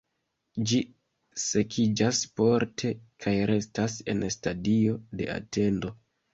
Ĝi sekiĝas porte kaj restas en stadio de atendo.